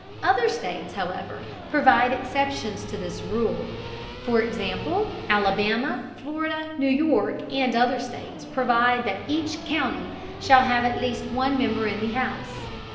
Other states, however, provide exceptions to this rule. For example, Alabama, Florida, New York and other states provide that each county shall have at least one member in the house.